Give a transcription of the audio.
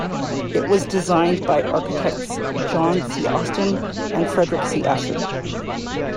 It was designed by architects John C. Austin and Frederick C. Ashley.